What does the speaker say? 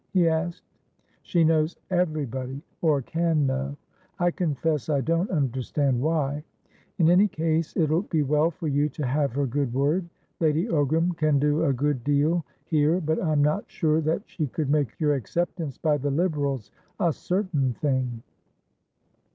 he asked. "She knows everybodyor can know. I confess I don't understand why. In any case, it'll be well for you to have her good word. Lady Ogram can do a good deal, here, but I'm not sure that she could make your acceptance by the Liberals a certain thing."